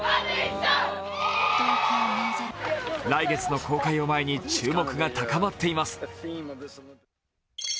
来月の公開を前に注目が高まっています。